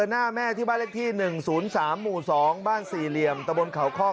หน้าแม่ที่บ้านเลขที่๑๐๓หมู่๒บ้านสี่เหลี่ยมตะบนเขาคอก